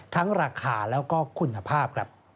ทั้งราคาแล้วก็คุณภาพ